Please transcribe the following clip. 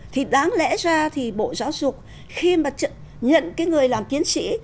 thì đáng lẽ ra thì bộ giáo dục khi mà nhận cái người làm tiến sĩ